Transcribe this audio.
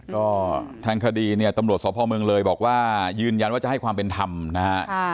ก็ทางคดีเนี่ยตำรวจสพเมืองเลยบอกว่ายืนยันว่าจะให้ความเป็นธรรมนะฮะ